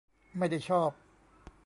ไม่ได้ชอบ